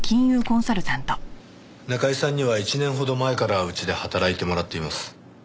中井さんには１年ほど前からうちで働いてもらっています。